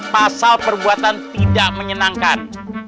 pasal perbuatan tidak menyenangkan